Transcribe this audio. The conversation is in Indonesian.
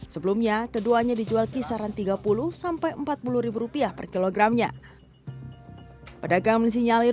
sebelumnya keduanya dijual kisaran tiga puluh sampai empat puluh rupiah per kilogramnya pedagang mensinyalir